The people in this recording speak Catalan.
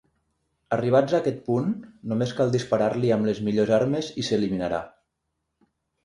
Arribats a aquest punt, només cal disparar-li amb les millors armes i s'eliminarà.